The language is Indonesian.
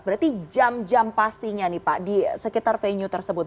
berarti jam jam pastinya nih pak di sekitar venue tersebut